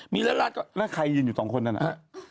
มีล้านก้อนทั่วแล้วใครยืนอยู่สองคนนั่นอะ